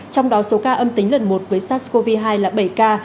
trong đó số ca âm tính lần một với sars cov hai là bảy ca